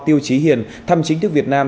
tiêu trí hiền thăm chính thức việt nam